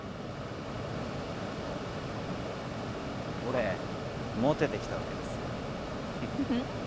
俺モテてきたわけですようん？